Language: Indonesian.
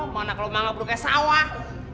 mana kalau mama bodoh kayak sawah